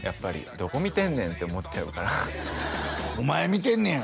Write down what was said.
どこ見てんねんって思っちゃうからお前見てんねや！